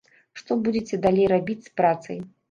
Што будзеце далей рабіць з працай?